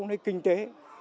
nó cố gắng kinh tế